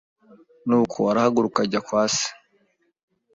Nuko arahaguruka ajya kwa se.